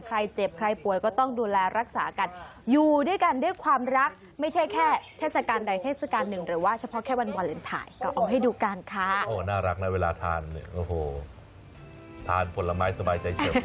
ผ่านผลไม้สบายใจเชิญเลย